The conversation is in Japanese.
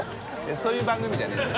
そういう番組じゃないね。